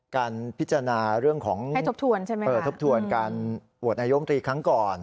การพิจารณาเรื่องของให้ทบทวนการโหวตนายมตรีครั้งก่อน